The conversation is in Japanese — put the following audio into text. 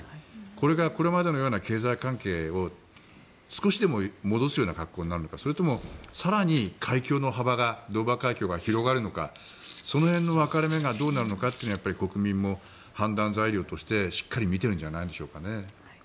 これがこれまでのような経済関係を少しでも戻すような格好になるのかそれとも更にドーバー海峡の幅が広がるのかその辺の分かれ目がどうなるのかっていうのも国民も判断材料としてしっかり見てるんじゃないでしょうかね。